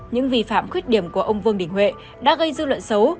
những vi phạm khuyết điểm của ông vương đình huệ đã gây dư luận xấu